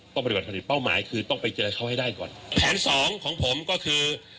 ปฏิบัติผลิตเป้าหมายคือต้องไปเจอเขาให้ได้ก่อนแผนสองของผมก็คือ